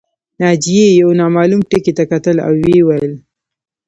ناجیې یو نامعلوم ټکي ته کتل او ویې ویل